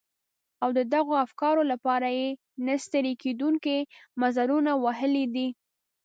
او د دغو افکارو لپاره يې نه ستړي کېدونکي مزلونه وهلي دي.